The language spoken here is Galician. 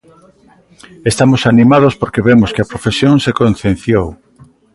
Estamos animados porque vemos que a profesión se concienciou.